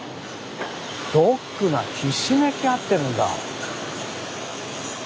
ドックがひしめき合ってるんだ。